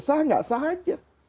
sah nggak sah aja